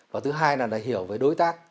và thứ hai là hiểu với đối tác